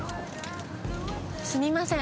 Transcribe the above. すみません。